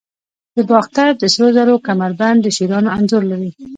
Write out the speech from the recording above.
د باختر د سرو زرو کمربند د شیرانو انځور لري